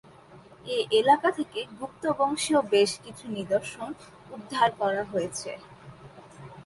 এ এলাকা থেকে গুপ্ত বংশীয় বেশ কিছু নিদর্শন উদ্ধার করা হয়েছে।